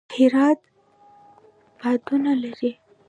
هرات بادونه لري